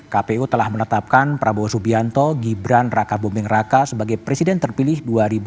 kpu telah menetapkan prabowo subianto gibran raka buming raka sebagai presiden terpilih dua ribu dua puluh empat dua ribu dua puluh sembilan